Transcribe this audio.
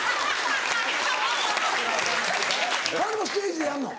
カルマステージでやんの？